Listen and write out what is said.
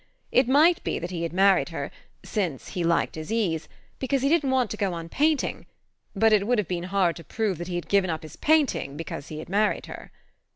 It might be that he had married her since he liked his ease because he didn't want to go on painting; but it would have been hard to prove that he had given up his painting because he had married her.